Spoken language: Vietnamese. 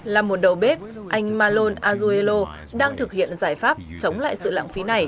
là một đầu bếp anh malone azeuelo đang thực hiện giải pháp chống lại sự lãng phí này